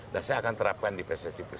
dan saya akan terapkan di presiden sipul satu